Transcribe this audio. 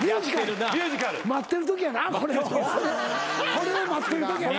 これを待ってるときやな。